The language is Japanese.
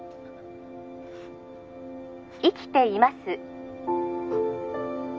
☎生きています